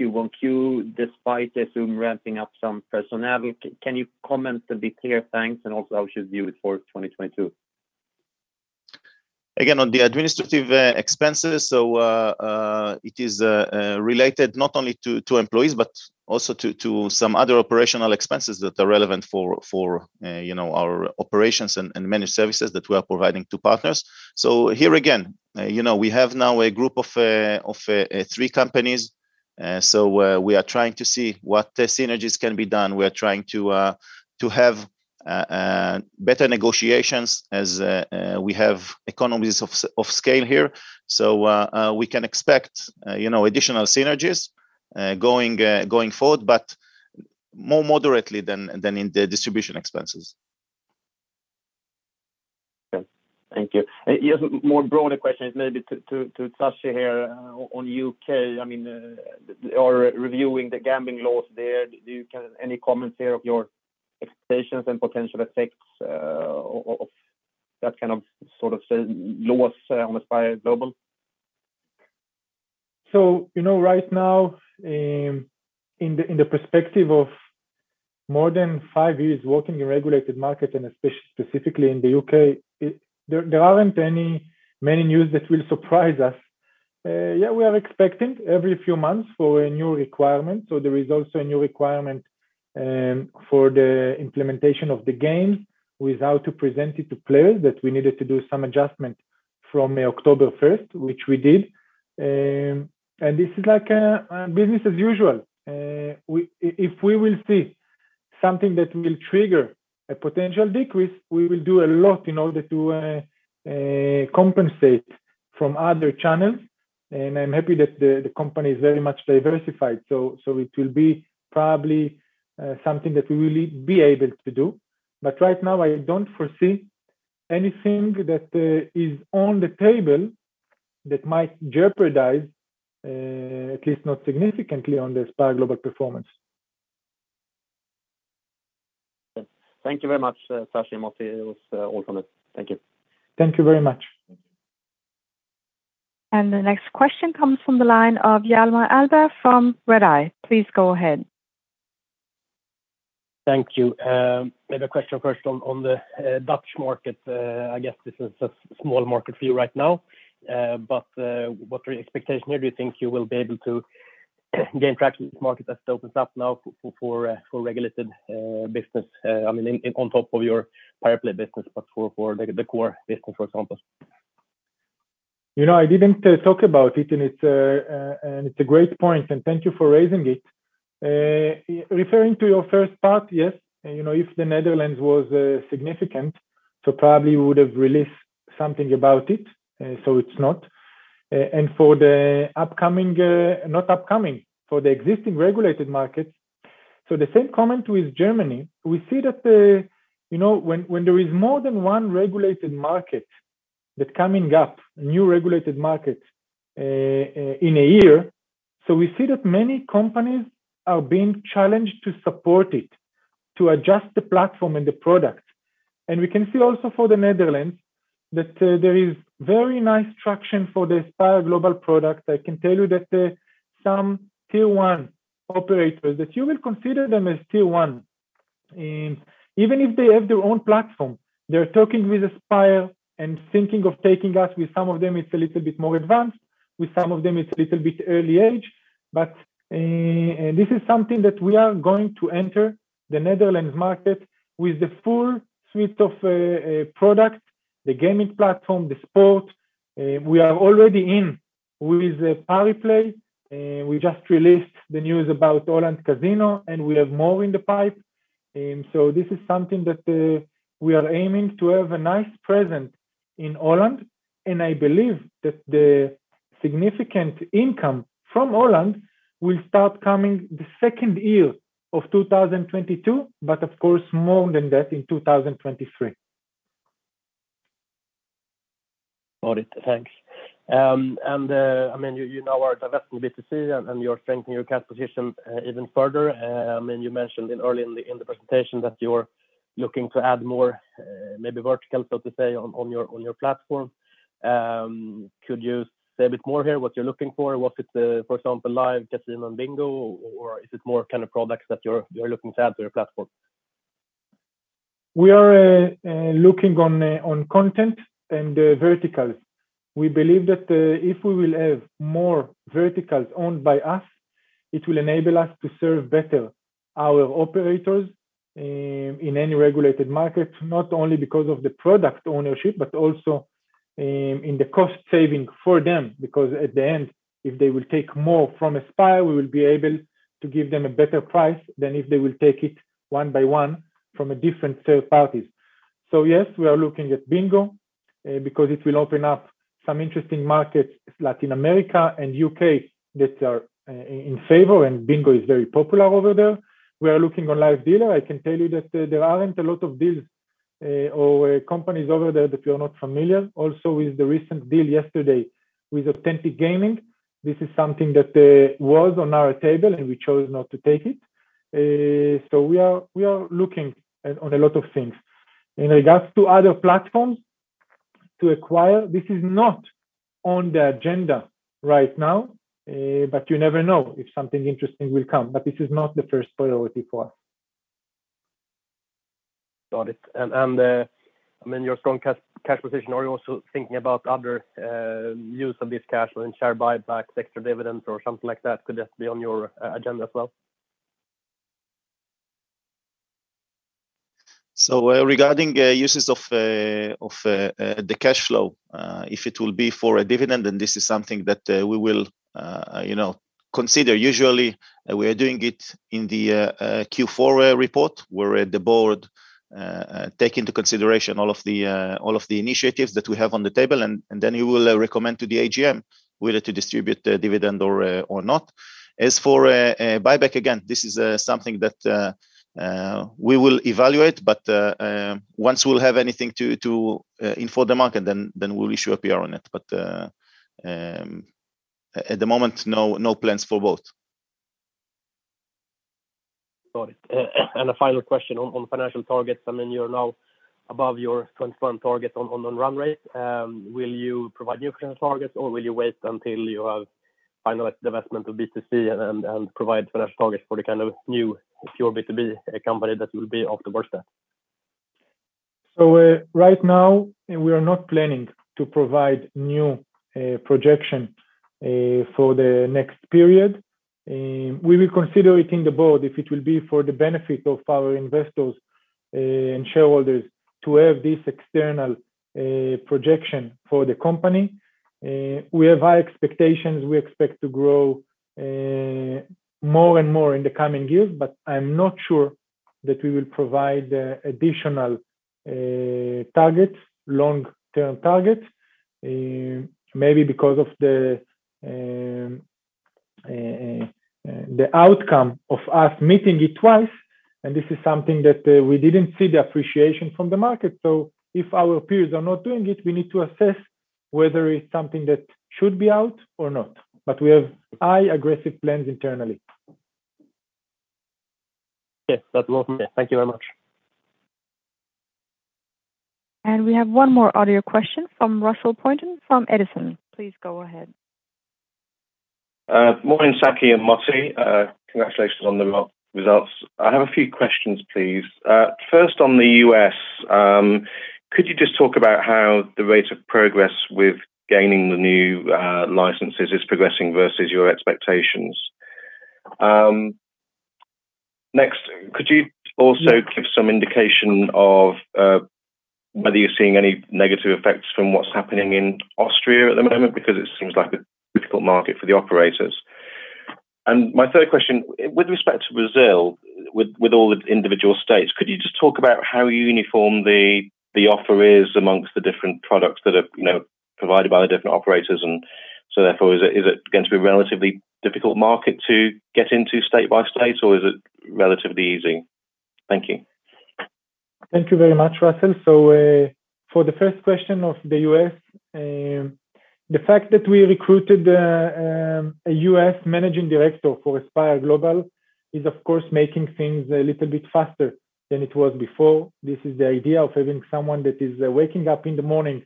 D: QoQ, despite I assume ramping up some personnel. Can you comment a bit here? Thanks. Also how we should view it for 2022.
B: Again, on the administrative expenses. It is related not only to employees, but also to some other operational expenses that are relevant for you know, our operations and managed services that we are providing to partners. Here again we have now a group of three companies. We are trying to see what synergies can be done. We are trying to have better negotiations as we have economies of scale here. We can expect you know, additional synergies going forward, but more moderately than in the distribution expenses.
D: Okay. Thank you. Just a broader question is maybe to Tsachi here on U.K. I mean, they are reviewing the gambling laws there. Any comments here on your expectations and potential effects of that kind of sort of laws on Aspire Global?
A: You know, right now, in the perspective of more than five years working in regulated markets, and especially specifically in the U.K., there aren't many news that will surprise us. Yeah, we are expecting every few months for a new requirement. There is also a new requirement for the implementation of the game, with how to present it to players, that we needed to do some adjustment from October first, which we did. This is like business as usual. If we will see something that will trigger a potential decrease, we will do a lot in order to compensate from other channels, and I'm happy that the company is very much diversified. It will be probably something that we will be able to do. Right now, I don't foresee anything that is on the table that might jeopardize at least not significantly on the Aspire Global performance.
D: Yes. Thank you very much, Tsachi, Motti. It was all from it. Thank you.
A: Thank you very much.
D: Thank you.
C: The next question comes from the line of Hjalmar Ahlberg from Redeye. Please go ahead.
E: Thank you. Maybe a question first on the Dutch market. I guess this is a small market for you right now. What are your expectation here? Do you think you will be able to gain traction in this market as it opens up now for regulated business? I mean, on top of your Pariplay business, but for the core business, for example?
A: I didn't talk about it, and it's a great point, and thank you for raising it. Referring to your first part, yes. If the Netherlands was significant, so probably would have released something about it. It's not. For the existing regulated markets, so the same comment with Germany, we see that when there is more than one regulated market that coming up, new regulated market in a year, so we see that many companies are being challenged to support it, to adjust the platform and the product. We can see also for the Netherlands that there is very nice traction for the Aspire Global product. I can tell you that some tier one operators that you will consider them as tier one. Even if they have their own platform, they're talking with Aspire and thinking of taking us. With some of them, it's a little bit more advanced. With some of them, it's a little bit early stage. This is something that we are going to enter the Netherlands market with the full suite of product, the gaming platform, the sportsbook. We are already in with Pariplay. We just released the news about Holland Casino, and we have more in the pipeline. This is something that we are aiming to have a nice presence in Holland. I believe that the significant income from Holland will start coming the second year of 2022, but of course, more than that in 2023.
E: Got it. Thanks. I mean, you now are divesting B2C, and you're strengthening your cash position even further. I mean, you mentioned in the presentation that you're looking to add more maybe verticals, so to say, on your platform. Could you say a bit more here what you're looking for? Was it, for example, live casino and bingo, or is it more kind of products that you're looking to add to your platform?
A: We are looking on content and verticals. We believe that if we will have more verticals owned by us, it will enable us to serve better our operators in any regulated market, not only because of the product ownership, but also in the cost saving for them. Because at the end, if they will take more from Aspire, we will be able to give them a better price than if they will take it one by one from different third parties. Yes, we are looking at bingo because it will open up some interesting markets, Latin America and U.K., that are in favor, and bingo is very popular over there. We are looking on live dealer. I can tell you that there aren't a lot of deals or companies over there that we are not familiar. With the recent deal yesterday with Authentic Gaming, this is something that was on our table, and we chose not to take it. We are looking at a lot of things. In regards to other platforms to acquire, this is not on the agenda right now, but you never know if something interesting will come. This is not the first priority for us.
E: Got it. I mean, your strong cash position, are you also thinking about other use of this cash when share buybacks, extra dividends, or something like that could just be on your agenda as well?
B: Regarding uses of the cash flow, if it will be for a dividend, then this is something that we will, you know, consider. Usually, we are doing it in the Q4 report, where the board take into consideration all of the initiatives that we have on the table, and then you will recommend to the AGM whether to distribute the dividend or not. As for a buyback, again, this is something that we will evaluate. Once we'll have anything to inform the market, then we'll issue a PR on it. At the moment, no plans for both.
E: Got it. A final question on financial targets. I mean, you're now above your 21 target on run rate. Will you provide new financial targets, or will you wait until you have final divestment of B2C and provide financial targets for the kind of new pure B2B company that you will be afterwards that?
A: Right now, we are not planning to provide new projection for the next period. We will consider it in the board if it will be for the benefit of our investors and shareholders to have this external projection for the company. We have high expectations. We expect to grow more and more in the coming years, but I'm not sure that we will provide additional targets, long-term targets. Maybe because of the outcome of us meeting it twice, and this is something that we didn't see the appreciation from the market. If our peers are not doing it, we need to assess whether it's something that should be out or not. We have high aggressive plans internally.
E: Yes. That's all from me. Thank you very much.
C: We have one more audio question from Russell Pointon from Edison. Please go ahead.
F: Morning, Tsachi and Motti. Congratulations on the results. I have a few questions, please. First on the U.S., could you just talk about how the rate of progress with gaining the new licenses is progressing versus your expectations? Next, could you also-
A: Mm-hmm
F: Give some indication of whether you're seeing any negative effects from what's happening in Austria at the moment? Because it seems like a difficult market for the operators. My third question, with respect to Brazil, with all the individual states, could you just talk about how uniform the offer is amongst the different products that are, you know, provided by the different operators and so therefore, is it going to be a relatively difficult market to get into state by state, or is it relatively easy? Thank you.
A: Thank you very much, Russell. For the first question of the U.S., the fact that we recruited a U.S. managing director for Aspire Global is, of course, making things a little bit faster than it was before. This is the idea of having someone that is waking up in the morning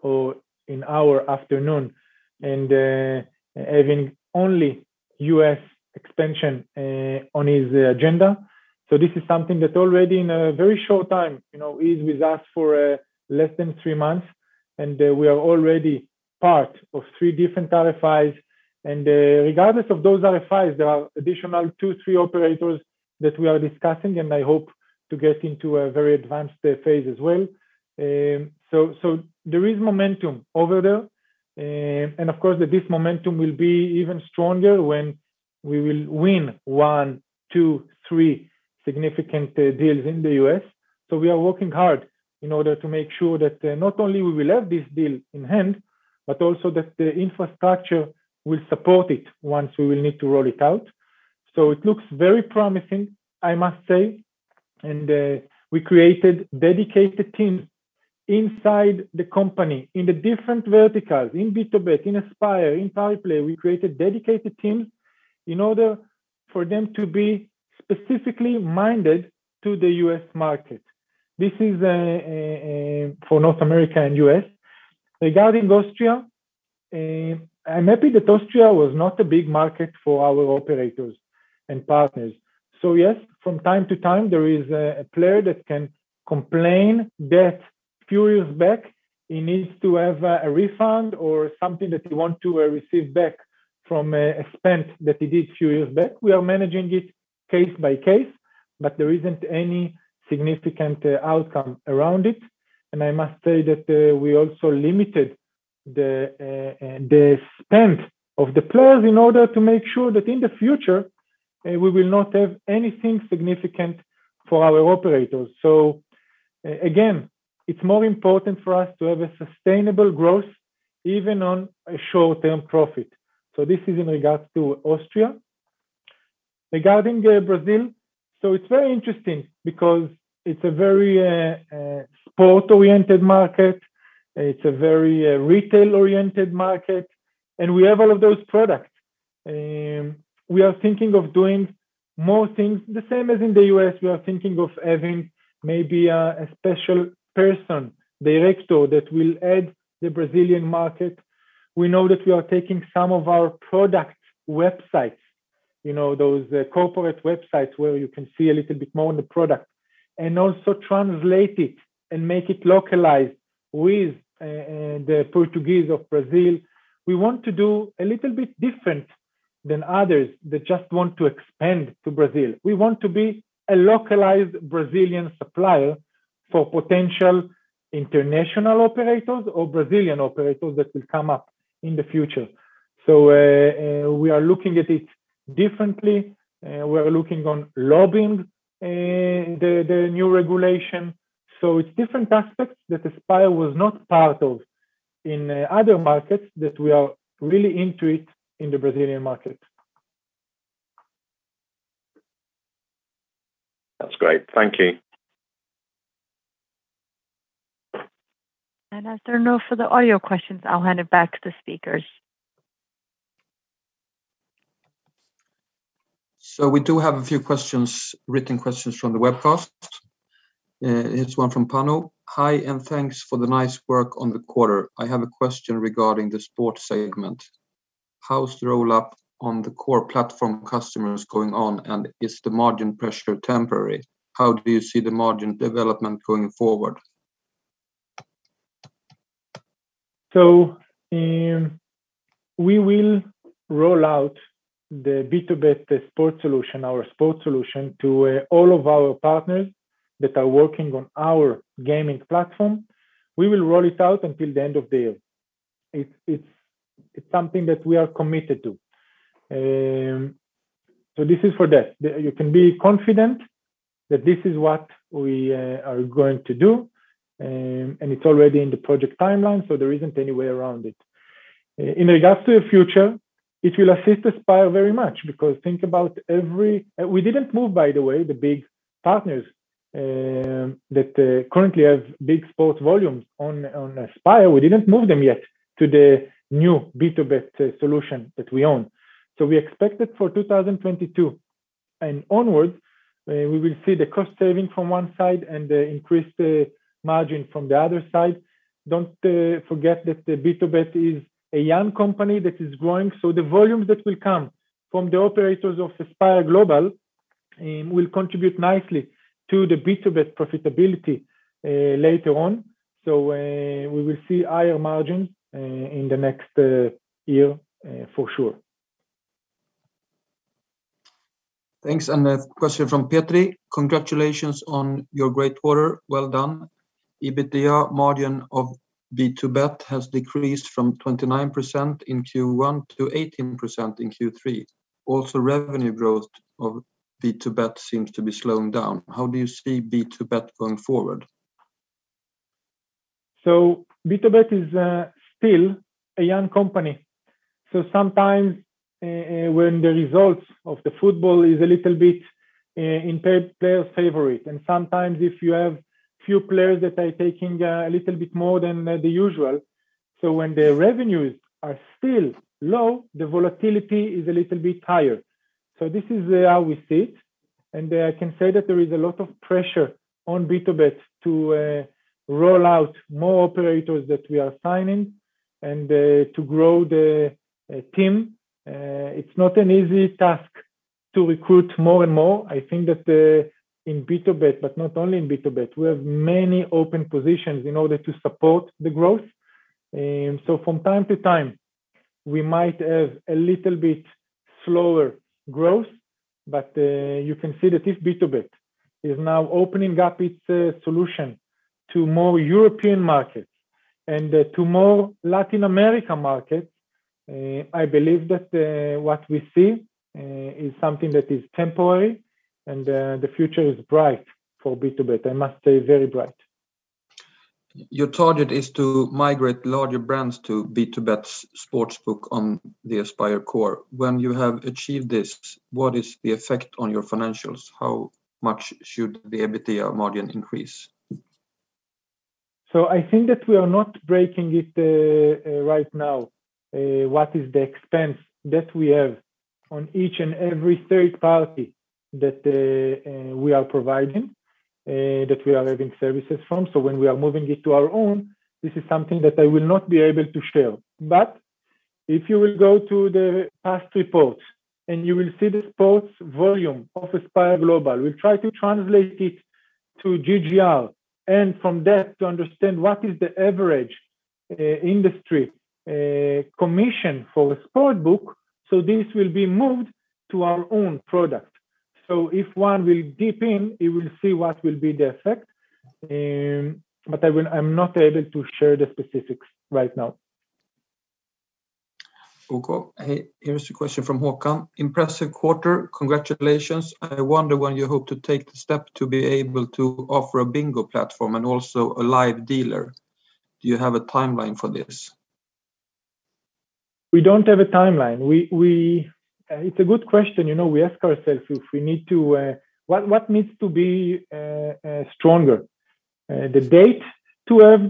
A: or in our afternoon and having only U.S. expansion on his agenda. This is something that already in a very short time, you know, he's with us for less than three months, and we are already part of three different RFIs. Regardless of those RFIs, there are additional two, three operators that we are discussing, and I hope to get into a very advanced phase as well. There is momentum over there. Of course, this momentum will be even stronger when we will win one, two, three significant deals in the U.S. We are working hard in order to make sure that not only we will have this deal in hand, but also that the infrastructure will support it once we will need to roll it out. It looks very promising, I must say. We created dedicated teams inside the company in the different verticals, in BtoBet, in Aspire, in Pariplay. We created dedicated teams in order for them to be specifically minded to the U.S. market. This is for North America and U.S. Regarding Austria, I'm happy that Austria was not a big market for our operators and partners. Yes, from time to time, there is a player that can complain that a few years back, he needs to have a refund or something that he want to receive back from expense that he did a few years back. We are managing it case by case, but there isn't any significant outcome around it. I must say that we also limited the spend of the players in order to make sure that in the future we will not have anything significant for our operators. Again, it's more important for us to have a sustainable growth, even on a short-term profit. This is in regards to Austria. Regarding Brazil, it's very interesting because it's a very sport-oriented market, it's a very retail-oriented market, and we have all of those products. We are thinking of doing more things, the same as in the U.S. We are thinking of having maybe a special person, director that will head the Brazilian market. We know that we are taking some of our product websites those corporate websites where you can see a little bit more on the product, and also translate it and make it localized with the Portuguese of Brazil. We want to do a little bit different than others that just want to expand to Brazil. We want to be a localized Brazilian supplier for potential international operators or Brazilian operators that will come up in the future. We are looking at it differently. We are looking into lobbying the new regulation. It's different aspects that Aspire was not part of in other markets that we are really into it in the Brazilian market.
F: That's great. Thank you.
C: As there are no further audio questions, I'll hand it back to speakers.
G: We do have a few questions, written questions from the webcast. Here's one from Pano. Hi, and thanks for the nice work on the quarter. I have a question regarding the sports segment. How's the roll-up on the core platform customers going on, and is the margin pressure temporary? How do you see the margin development going forward?
A: We will roll out the BtoBet sports solution, our sports solution to all of our partners that are working on our gaming platform. We will roll it out until the end of the year. It's something that we are committed to. This is for that. You can be confident that this is what we are going to do, and it's already in the project timeline, so there isn't any way around it. In regards to your future, it will assist Aspire very much because think about every we didn't move, by the way, the big partners that currently have big sports volumes on Aspire. We didn't move them yet to the new BtoBet solution that we own. We expect that for 2022 and onwards, we will see the cost saving from one side and the increased margin from the other side. Don't forget that the BtoBet is a young company that is growing, so the volumes that will come from the operators of Aspire Global will contribute nicely to the BtoBet profitability later on. We will see higher margins in the next year for sure.
G: Thanks. A question from Petri. Congratulations on your great quarter. Well done. EBITDA margin of BtoBet has decreased from 29% in Q1 to 18% in Q3. Also, revenue growth of BtoBet seems to be slowing down. How do you see BtoBet going forward?
A: BtoBet is still a young company. Sometimes, when the results of the football is a little bit in player's favor, and sometimes if you have few players that are taking a little bit more than the usual. When the revenues are still low, the volatility is a little bit higher. This is how we see it, and I can say that there is a lot of pressure on BtoBet to roll out more operators that we are signing and to grow the team. It's not an easy task to recruit more and more. I think that in BtoBet, but not only in BtoBet, we have many open positions in order to support the growth. From time to time, we might have a little bit slower growth, but you can see that if BtoBet is now opening up its solution to more European markets and to more Latin America markets, I believe that what we see is something that is temporary and the future is bright for BtoBet. I must say very bright.
G: Your target is to migrate larger brands to BtoBet's sportsbook on the AspireCore. When you have achieved this, what is the effect on your financials? How much should the EBITDA margin increase?
A: I think that we are not breaking it right now. What is the expense that we have on each and every third party that we are providing, that we are having services from. When we are moving it to our own, this is something that I will not be able to share. If you will go to the past reports, and you will see the sports volume of Aspire Global, we try to translate it to GGR, and from that to understand what is the average industry commission for a sportsbook. This will be moved to our own product. If one will dip in, it will see what will be the effect. I'm not able to share the specifics right now.
G: Okay. Here is a question from Håkan. Impressive quarter. Congratulations. I wonder when you hope to take the step to be able to offer a bingo platform and also a live dealer. Do you have a timeline for this?
A: We don't have a timeline. It's a good question, you know. We ask ourselves if we need to. What needs to be stronger, to own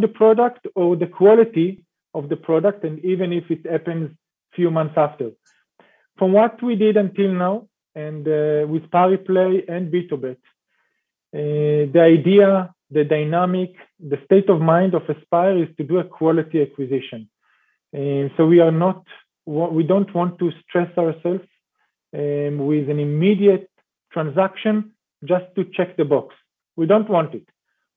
A: the product or the quality of the product, and even if it happens few months after. From what we did until now and with Pariplay and BtoBet, the idea, the dynamic, the state of mind of Aspire is to do a quality acquisition. We don't want to stress ourselves with an immediate transaction just to check the box. We don't want it.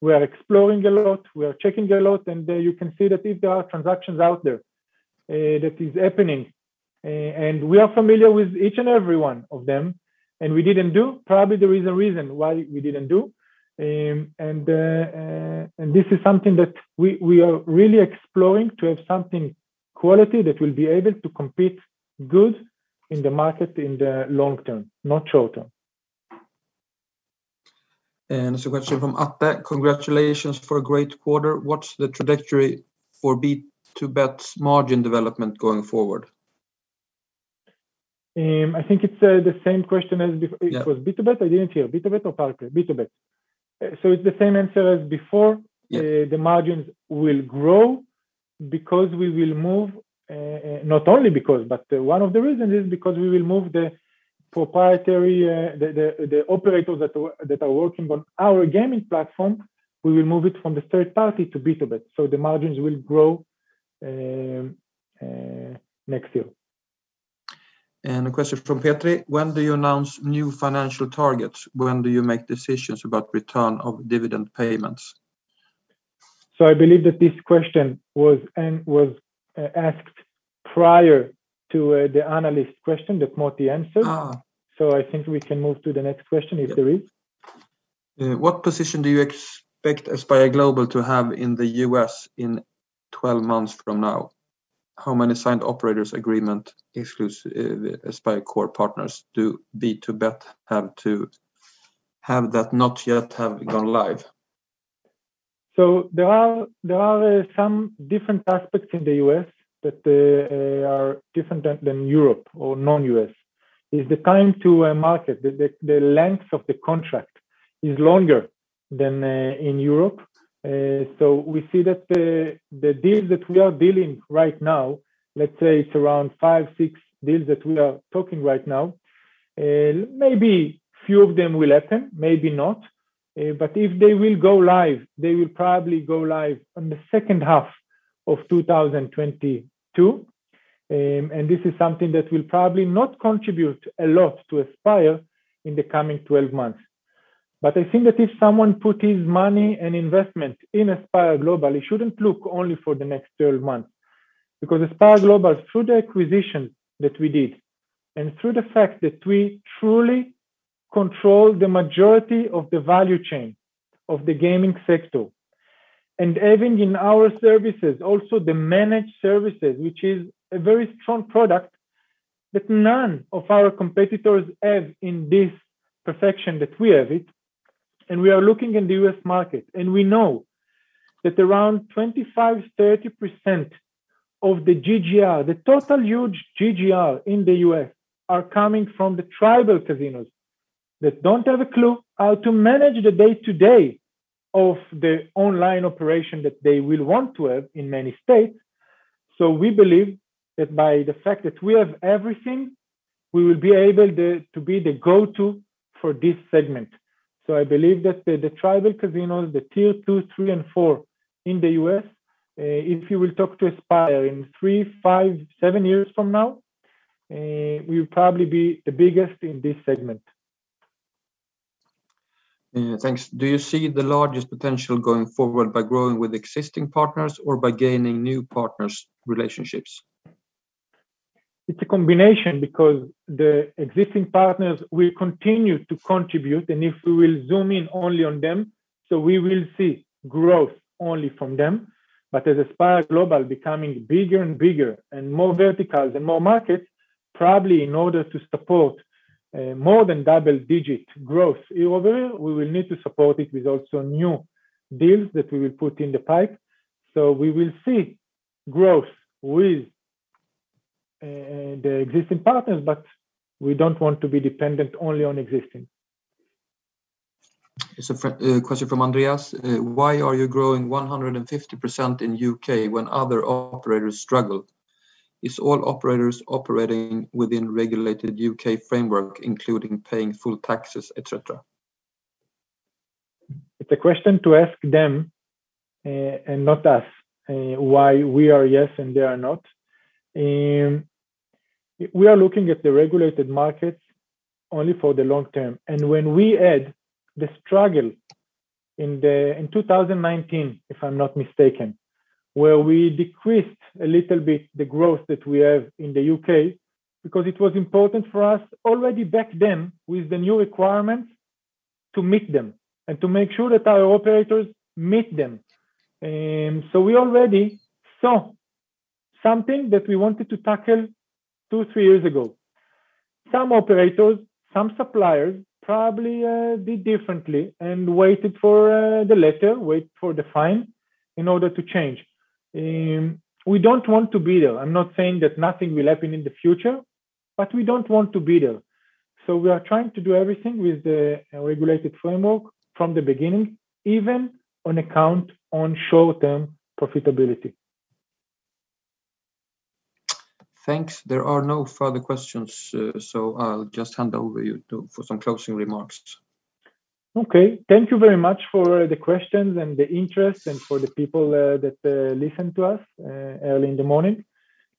A: We are exploring a lot, we are checking a lot, and you can see that if there are transactions out there, that is happening, and we are familiar with each and every one of them, and we didn't do, probably there is a reason why we didn't do. This is something that we are really exploring to have something quality that will be able to compete good in the market in the long term, not short term.
G: There's a question from Atte. Congratulations for a great quarter. What's the trajectory for BtoBet's margin development going forward?
A: I think it's the same question as be-
G: Yeah...
A: it was BtoBet. I didn't hear. BtoBet or Pariplay? BtoBet. It's the same answer as before.
G: Yeah.
A: The margins will grow because one of the reasons is because we will move the proprietary operators that are working on our gaming platform. We will move it from the third party to BtoBet, so the margins will grow next year.
G: A question from Petri. When do you announce new financial targets? When do you make decisions about return of dividend payments?
A: I believe that this question was asked prior to the analyst question that Motti answered.
G: Ah.
A: I think we can move to the next question, if there is.
G: Yep. What position do you expect Aspire Global to have in the U.S. in 12 months from now? How many signed operator agreements AspireCore partners to BtoBet have not yet gone live?
A: There are some different aspects in the U.S. that are different than Europe or non-U.S., is the time to market. The length of the contract is longer than in Europe. We see that the deals that we are dealing right now, let's say it's around 5, 6 deals that we are talking right now, maybe few of them will happen, maybe not. If they will go live, they will probably go live on the second half of 2022. This is something that will probably not contribute a lot to Aspire in the coming 12 months. I think that if someone put his money and investment in Aspire Global, he shouldn't look only for the next 12 months. Because Aspire Global, through the acquisition that we did, and through the fact that we truly control the majority of the value chain of the gaming sector, and having in our services also the managed services, which is a very strong product that none of our competitors have in this perfection that we have it. We are looking in the U.S. market, and we know that around 25-30% of the GGR, the total huge GGR in the U.S. are coming from the tribal casinos that don't have a clue how to manage the day-to-day of the online operation that they will want to have in many states. We believe that by the fact that we have everything, we will be able to be the go-to for this segment. I believe that the tribal casinos, the Tier 2, 3, and 4 in the U.S., if you will talk to Aspire in 3, 5, 7 years from now, we'll probably be the biggest in this segment.
G: Yeah. Thanks. Do you see the largest potential going forward by growing with existing partners or by gaining new partners relationships?
A: It's a combination because the existing partners will continue to contribute, and if we will zoom in only on them, so we will see growth only from them. As Aspire Global becoming bigger and bigger, and more verticals and more markets, probably in order to support more than double-digit growth year-over-year, we will need to support it with also new deals that we will put in the pipe. We will see growth with the existing partners, but we don't want to be dependent only on existing.
G: It's a question from Andreas. Why are you growing 150% in the U.K. when other operators struggle? Are all operators operating within regulated U.K. framework, including paying full taxes, et cetera?
A: It's a question to ask them and not us why we are yes and they are not. We are looking at the regulated markets only for the long term. When we had the struggle in 2019, if I'm not mistaken, where we decreased a little bit the growth that we have in the U.K. because it was important for us already back then with the new requirements to meet them and to make sure that our operators meet them. We already saw something that we wanted to tackle 2, 3 years ago. Some operators, some suppliers probably did differently and waited for the fine in order to change. We don't want to be there. I'm not saying that nothing will happen in the future, but we don't want to be there. We are trying to do everything within the regulated framework from the beginning, even at the expense of short-term profitability.
G: Thanks. There are no further questions, so I'll just hand over to you for some closing remarks.
A: Okay. Thank you very much for the questions and the interest and for the people that listened to us early in the morning.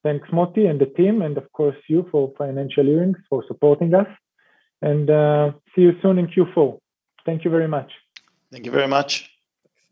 A: Thanks Motti and the team, and of course you for Financial Hearings for supporting us. See you soon in Q4. Thank you very much.
G: Thank you very much.